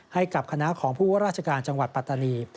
ให้กับคณะของผู้ว่าราชการจังหวัดปัตตานี